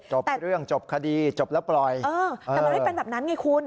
จบเรื่องจบคดีจบแล้วปล่อยเออแต่มันไม่เป็นแบบนั้นไงคุณ